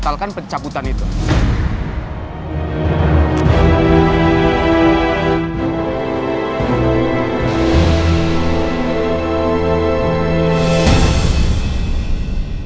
saya mohon perazan buzaan buzaan buzaan